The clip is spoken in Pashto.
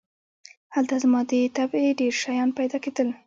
هلته زما د طبعې ډېر شیان پیدا کېدل.